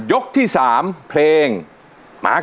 ยกที่๓เพลงมาครับ